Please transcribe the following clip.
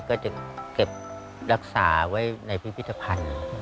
ก็จะเก็บรักษาไว้ในพิพิธภัณฑ์